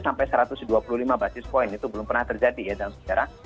sampai satu ratus dua puluh lima basis point itu belum pernah terjadi ya dalam sejarah